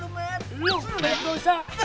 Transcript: lu berat dosa